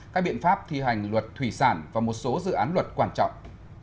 các biện pháp thi hành luật thủy sản và một số dự án luật quan trọng